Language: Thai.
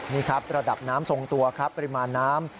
นี่ครับระดับน้ำทรงตัวครับปริมาณน้ำ